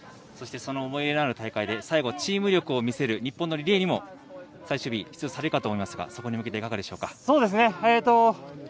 そしてその思い入れのある大会で最後、チーム力を見せる日本のリレーにも最終日出場されると思いますがそこに向けて、いかがでしょうか。